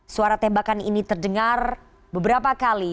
suara tembakan ini terdengar beberapa kali